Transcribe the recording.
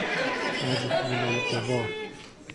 مجهول القوا